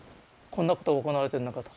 こんなことが行われてるのかと。